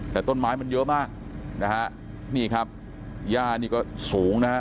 แต่ต้นไม้มันเยอะมากนะฮะนี่ครับย่านี่ก็สูงนะฮะ